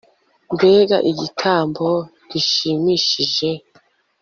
mbega igitabo gishimishije